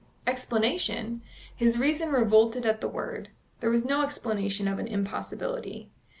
Explanation? His reason revolted at the word. There was no explanation of an impossibility.